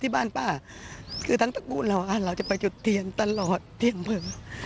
บ้านป้าคือทั้งตระกูลเราเราจะไปจุดเทียนตลอดที่อำเภอ